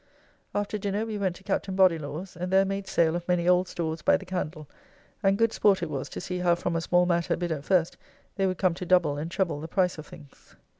After dinner we went to Captain Bodilaw's, and there made sale of many old stores by the candle, and good sport it was to see how from a small matter bid at first they would come to double and treble the price of things.